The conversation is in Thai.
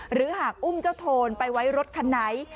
หรือหากอุ้มเจ้าโทนไปไว้รถคันไหน